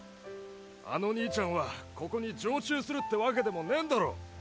あの兄ちゃんはここに常駐するって訳でもねぇんだろ！？